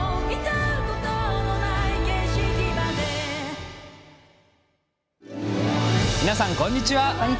みなさん、こんにちは。